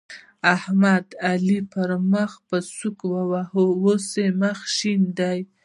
احمد؛ علي پر مخ په سوک وواهه ـ اوس يې مخ شين دی.